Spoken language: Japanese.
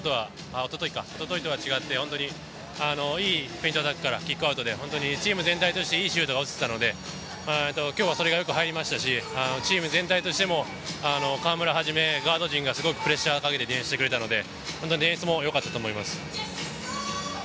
一昨日とは違って、いいペイントアタックからキックアタックでチーム全体としていいシュートが打てたので、今日はそれがよく入りましたし、チーム全体としても河村をはじめ、ガード陣がすごくプレッシャーをかけてディフェンスしてくれたので、ディフェンスもよかったと思います。